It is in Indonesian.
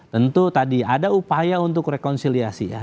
tentu tadi ada upaya untuk rekonsiliasi ya